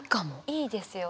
いいですよ。